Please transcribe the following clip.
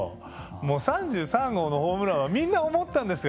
もう３３号のホームランはみんな思ったんですよ。